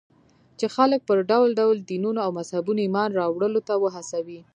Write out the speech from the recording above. چې خلک پر ډول ډول دينونو او مذهبونو ايمان راوړلو ته وهڅوي.